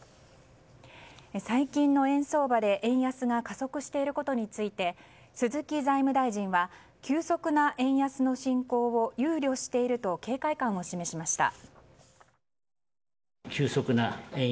最近の円相場で円安が加速していることについて鈴木財務大臣は急速な円安の進行を憂慮していると警戒感を示しました。